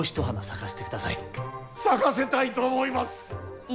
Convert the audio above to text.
咲かせたいと思います。